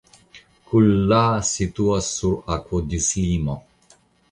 Kullaa situas sur akvodislimo.